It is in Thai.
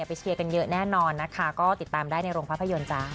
เชียร์กันเยอะแน่นอนนะคะก็ติดตามได้ในโรงภาพยนตร์จ้า